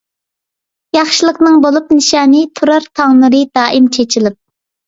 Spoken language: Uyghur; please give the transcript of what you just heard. ياخشىلىقنىڭ بولۇپ نىشانى، تۇرار تاڭ نۇرى دائىم چېچىلىپ.